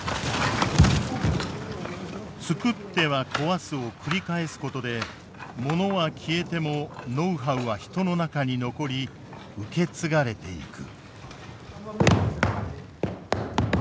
つくっては壊すを繰り返すことでものは消えてもノウハウは人の中に残り受け継がれていく。